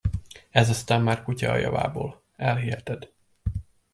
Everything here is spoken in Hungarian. Ez aztán már kutya a javából, elhiheted!